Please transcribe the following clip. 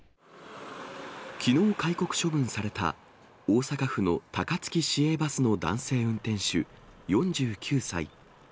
きのう戒告処分された、大阪府の高槻市営バスの男性運転手、４９歳。